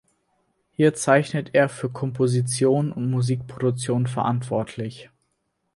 Hier zeichnet er für Komposition und Musikproduktion verantwortlich.